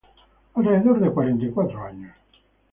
Alrededor de cuarenta y cuatro años.